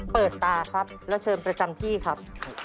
เปิดตาครับแล้วเชิญประจำที่ครับ